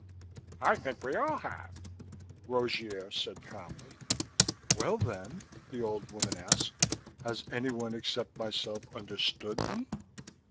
"I think we all have," Rogier said calmly. "Well, then," the old woman asked, "has anyone except myself understood them?"